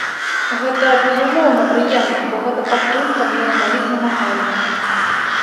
Гэта, безумоўна прыемна, бо гэта падтрымка мне ў маіх намаганнях.